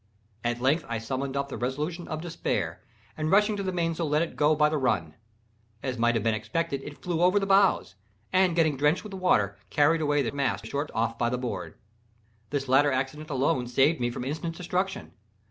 At length I summoned up the resolution of despair, and rushing to the mainsail let it go by the run. As might have been expected, it flew over the bows, and, getting drenched with water, carried away the mast short off by the board. This latter accident alone saved me from instant destruction.